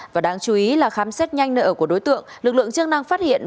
và đáng chú ý là khám xét nhanh nợ của đối tượng lực lượng chức năng phát hiện